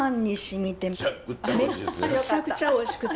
めちゃくちゃおいしくて。